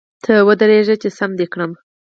ته ودرېږه چي ! سم دي کړم .